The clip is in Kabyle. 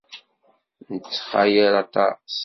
Nettxayal aṭas.